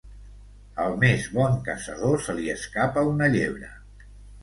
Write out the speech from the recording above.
Al més bon caçador se li escapa una llebre.